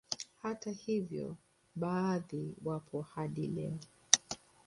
Hata hivyo baadhi wapo hadi leo